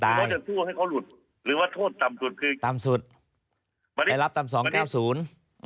เรื่องผมไม่เห็นด้วย